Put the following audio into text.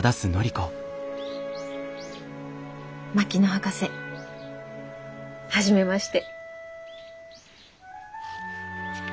槙野博士初めまして。